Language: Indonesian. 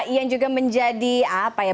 yang juga menjadi apa ya